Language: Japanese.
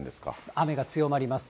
雨が強まります。